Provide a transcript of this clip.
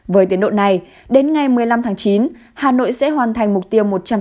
với tiến độ này đến ngày một mươi năm tháng chín hà nội sẽ hoàn thành mục tiêu